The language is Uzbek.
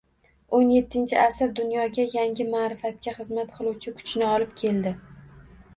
O'n yettinchi asr dunyoga yangi ma’rifatga xizmat qiluvchi kuchni olib keldi